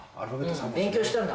うん勉強したんだ。